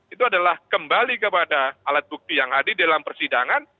itu adalah kembali kepada alat bukti yang hadir dalam persidangan